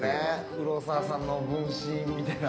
黒沢さんの分身みたいな。